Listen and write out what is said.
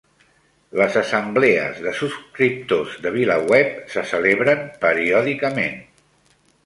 Les Assemblees de subscriptors de VilaWeb se celebren periòdicament